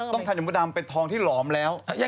ต้องทำอย่างมดดำเป็นทองที่หลอมแล้ว